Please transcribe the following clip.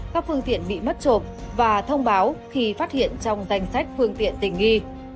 các phương tiện bị mất trộm và thông báo khi phát hiện trong danh sách phương tiện tình nghi